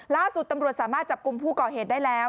ล่าสุดตำรวจสามารถจับกลุ่มผู้ก่อเหตุได้แล้ว